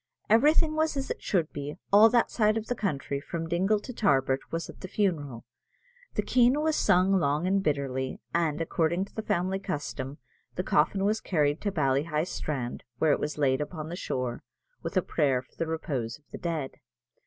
Everything was as it should be; all that side of the country, from Dingle to Tarbert, was at the funeral. The Keen was sung long and bitterly; and, according to the family custom, the coffin was carried to Ballyheigh strand, where it was laid upon the shore, with a prayer for the repose of the dead.